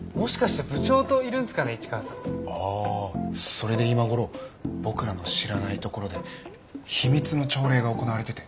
それで今頃僕らの知らないところで秘密の朝礼が行われてて。